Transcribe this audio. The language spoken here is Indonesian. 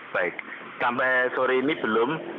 baik sampai sore ini belum